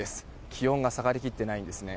気温が下がりきっていないんですね。